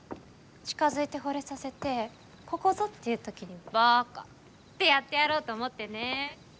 近づいて、ほれさせてここぞっていう時に「バカ」ってやってやろうと思ってね。